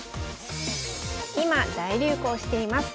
今大流行しています